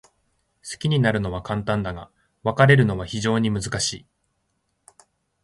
好きになるのは簡単だが、別れるのは非常に難しい。